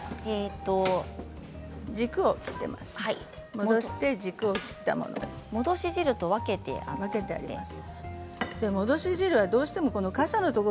戻して軸を切ったものです。